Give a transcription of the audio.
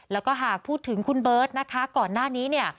แล้วก็หากพูดถึงคุณเบิร์ตนะคะก่อนหน้านี้เนี่ย